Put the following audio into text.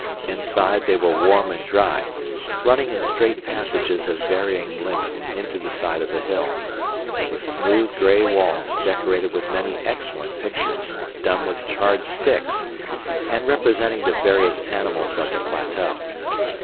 Inside they were warm and dry, running in straight passages of varying length into the side of the hill, with smooth gray walls decorated with many excellent pictures done with charred sticks and representing the various animals of the plateau.